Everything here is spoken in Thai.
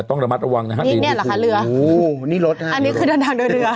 ต้องระมัดระวังนะฮะเรียนรู้สึกว่าโอ้โฮอันนี้คือเดินทางโดยเรือ